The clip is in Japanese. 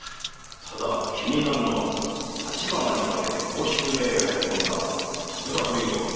ただ気になるのは立花に化けて甲州屋へ入り込んだ徳田という男。